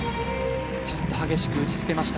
ちょっと激しく打ちつけました。